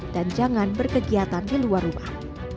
dan jangan berkegiatan di luar rumah